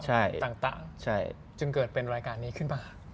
ใช่ต่างจึงเกิดเป็นรายการนี้ขึ้นมา